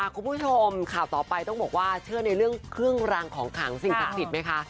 คุณผู้ชมข่าวต่อไปต้องบอกว่าเชื่อในเรื่องเครื่องรางของขังสิ่งศักดิ์สิทธิ์ไหมคะ